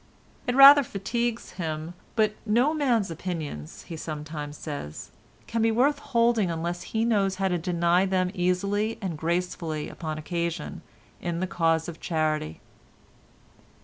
It rather fatigues him, but "no man's opinions," he sometimes says, "can be worth holding unless he knows how to deny them easily and gracefully upon occasion in the cause of charity."